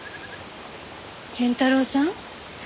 謙太郎さん？